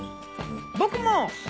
僕も！